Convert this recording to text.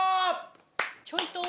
ちょいと！